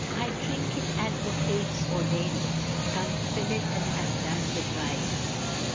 I drink it as the fates ordain it, Come fill it and have done with rhymes.